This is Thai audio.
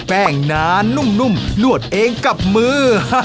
แป้งนานุ่มนวดเองกับมือ